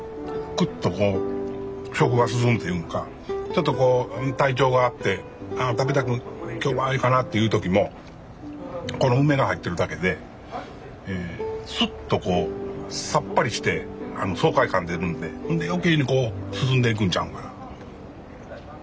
クッとこう食が進むというんかちょっとこう体調が悪くて今日はええかなという時もこの梅が入ってるだけでスッとこうさっぱりして爽快感出るんでほんで余計にこう進んでいくんちゃうんかな。